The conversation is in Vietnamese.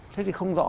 thế thì không rõ